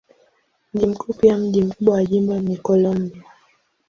Mji mkuu pia mji mkubwa wa jimbo ni Columbia.